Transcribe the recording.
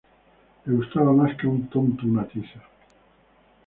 Le gustaba más que a un tonto una tiza